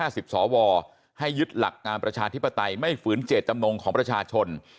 สวให้ยึดหลักงามประชาธิปไตยไม่ฝืนเจตจำนงของประชาชน